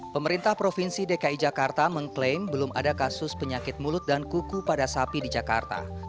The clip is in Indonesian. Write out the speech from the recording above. pemerintah provinsi dki jakarta mengklaim belum ada kasus penyakit mulut dan kuku pada sapi di jakarta